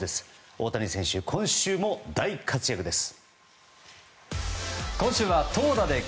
大谷選手、今週も大活躍です。